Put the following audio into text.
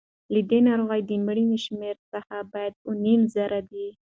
له دې ناروغۍ د مړینې شمېر څه باندې اووه نیم زره دی.